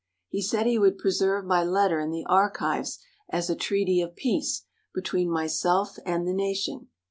He said he would preserve my letter in the archives as a treaty of peace between myself and the nation.